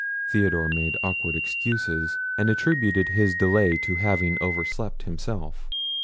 Theodore made awkward excuses, and attributed his delay to having overslept himself.